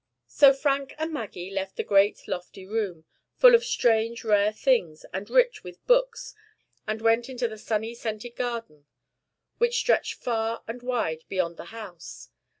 So Frank and Maggie left the great lofty room, full of strange rare things, and rich with books, and went into the sunny scented garden, which stretched far and wide behind the house.